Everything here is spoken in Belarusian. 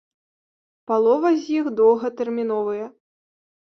Палова з іх доўгатэрміновыя.